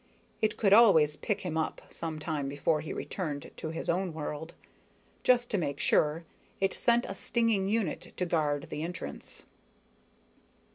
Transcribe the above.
It could always pick him up some time before he returned to his own world. Just to make sure, it sent a stinging unit to guard the entrance.